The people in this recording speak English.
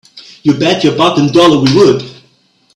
You bet your bottom dollar we would!